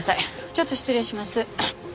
ちょっと失礼します。